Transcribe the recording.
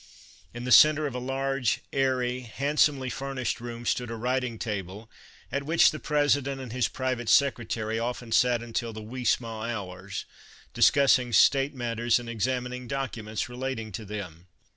In the center of a large, airy, handsomely fur nished room stood a writing table at which the President and his Private Secretary often sat until the " wee sma " hours, discussing state matters and examining documents relating to them.